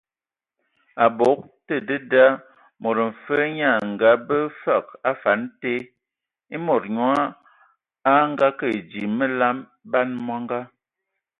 Abog te dedā, mod mfe nyaa a ngabe fəg a afan te ; e mod nyo a ngəkə dzii məlam, ban mɔngɔ.